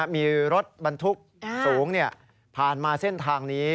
มีรถบรรทุกสูงผ่านมาเส้นทางนี้